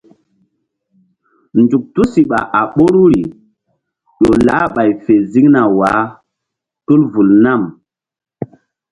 Nzuk tusiɓa a ɓoruri ƴo lah ɓay fe ziŋna wah tul vul nam.